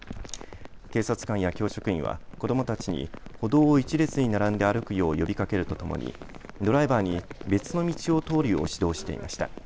警察官や教職員は子どもたちに歩道を１列に並んで歩くよう呼びかけるとともにドライバーに別の道を通るよう指導していました。